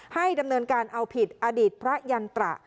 ให้ดำเนินการเอาผิดอดีตพระยันตระ